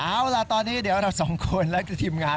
เอาล่ะตอนนี้เดี๋ยวเราสองคนและทีมงาน